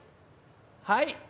はい。